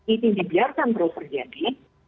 ini dibiarkan terus terjadi